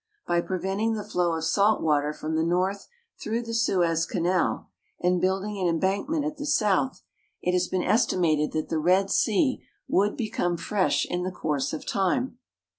By preventing the flow of salt water from the north through the Suez canal, and building an embankment at the south, it has been estimated that the Red Sea would become fresh in the course of time.